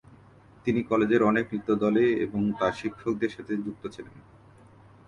তিনি কলেজের অনেক নৃত্য দলে এবং তার শিক্ষকদের সাথে যুক্ত ছিলেন।